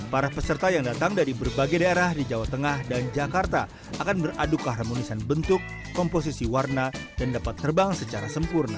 para peserta yang datang dari berbagai daerah di jawa tengah dan jakarta akan beradu keharmonisan bentuk komposisi warna dan dapat terbang secara sempurna